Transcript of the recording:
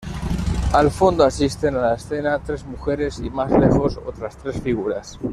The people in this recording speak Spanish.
Al fondo asisten a la escena tres mujeres y más lejos otras tres figuras.